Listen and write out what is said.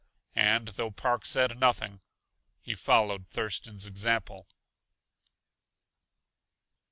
And though Park said nothing, he followed Thurston's example.